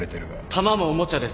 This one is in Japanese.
弾もおもちゃです。